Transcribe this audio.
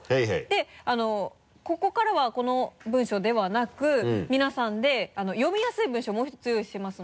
でここからはこの文章ではなく皆さんで読みやすい文章もう１つ用意していますので。